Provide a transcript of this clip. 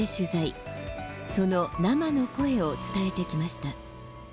その生の声を伝えてきました。